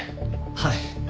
はい。